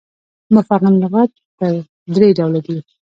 مفغن لغات پر درې ډوله دي.